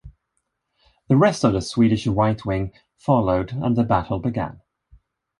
The rest of the Swedish right wing followed and the battle began.